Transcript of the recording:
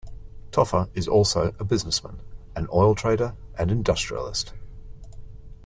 Tofa is also a businessman, an oil trader and industrialist.